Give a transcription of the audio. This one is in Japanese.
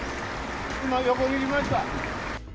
横切りました。